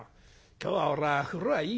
今日は俺は風呂はいいや。